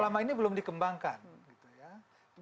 selama ini belum dikembangkan